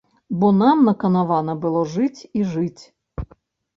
Бо нам наканавана было жыць і жыць.